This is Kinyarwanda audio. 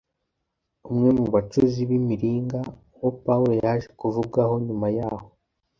umwe mu bacuzi b’imiringa, uwo Pawulo yaje kuvugaho nyuma y’aho